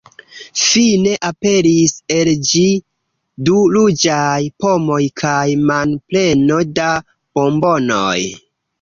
Fine aperis el ĝi du ruĝaj pomoj kaj manpleno da bombonoj.